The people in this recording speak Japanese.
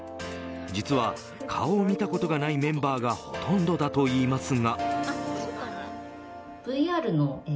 実は顔を見たことがないメンバーがほとんどだといいますが。